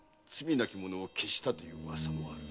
なき者を消したという噂もある。